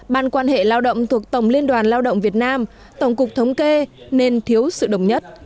ban quan hệ lao động thuộc tổng liên đoàn lao động việt nam tổng cục thống kê nên thiếu sự đồng nhất